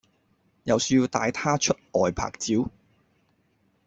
又說要帶她出外拍照